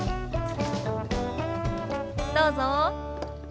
どうぞ。